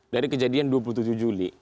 dari kejadian dua puluh tujuh juli